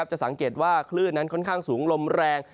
จะสังเกตว่าคลื่นนั้นค่อนข้างสูงลมแรง